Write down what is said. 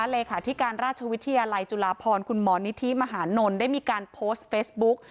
เลขาธิการราชวิทยาลัยจุฬาพรคุณหมอนิธิมหานลได้มีการโพสต์เฟซบุ๊ก